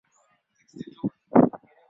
nye umri wa miaka arobaini na mitatu